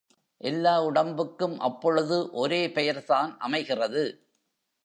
எல்லா உடம்புக்கும் அப்பொழுது ஒரே பெயர்தான் அமைகிறது.